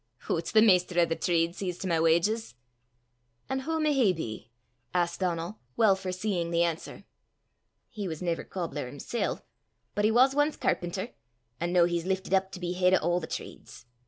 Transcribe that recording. "Hoots, the maister o' the trade sees to my wauges!" "An' wha may he be?" asked Donal, well foreseeing the answer. "He was never cobbler himsel', but he was ance carpenter; an' noo he's liftit up to be heid o' a' the trades.